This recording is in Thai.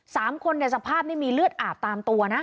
สามคนเนี่ยสภาพนี่มีเลือดอาบตามตัวนะ